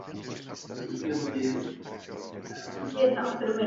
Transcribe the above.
V oblasti je provozována těžby ropy.